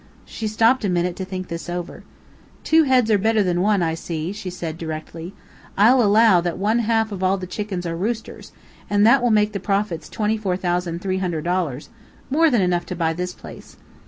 She stopped a minute to think this over. "Two heads are better than one, I see," she said, directly. "I'll allow that one half of all the chickens are roosters, and that will make the profits twenty four thousand three hundred dollars more than enough to buy this place."